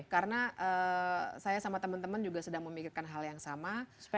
karena saya sama teman teman juga sedang memikirkan hal yang sama